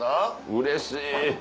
うれしい。